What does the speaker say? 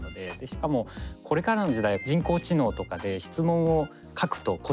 しかもこれからの時代人工知能とかで質問を書くと答えてくれる。